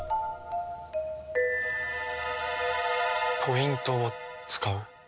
ポイントを使う？